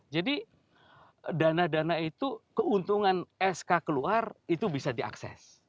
jadi dana dana itu keuntungan sk keluar itu bisa diakses